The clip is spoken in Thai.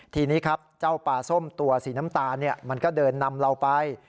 ทีนี้ครับเจ้าปลาส้มตัวสีน้ำตาลมันก็เดินนำเราไป